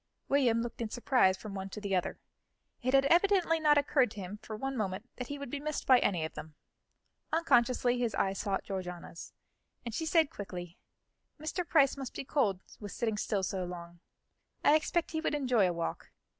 William looked in surprise from one to the other; it had evidently not occurred to him for one moment that he would be missed by any of them. Unconsciously, his eye sought Georgiana's, and she said quickly: "Mr. Price must be cold with sitting still so long; I expect he would enjoy a walk.